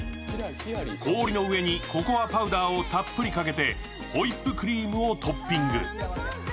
氷の上にココアパウダーをたっぷりかけてホイップクリームをトッピング。